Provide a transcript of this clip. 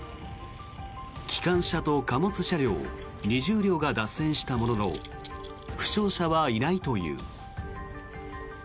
機関車と貨物車両２０両が脱線したものの負傷者はいないという。